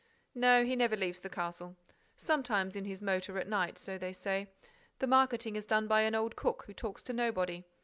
"No, he never leaves the castle.—Sometimes, in his motor, at night, so they say. The marketing is done by an old cook, who talks to nobody.